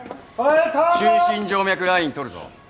中心静脈ラインとるぞ。